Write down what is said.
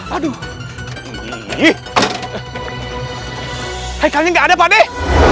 aduh hai kalian nggak ada padeh